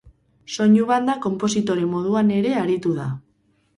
Soinu banda konpositore moduan ere aritu da.